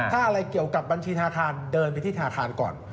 ถ้าอะไรเกี่ยวกับบัญชีธนาคารเดินไปที่ธนาคารก่อน